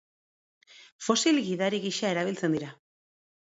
Fosil gidari gisa erabiltzen dira.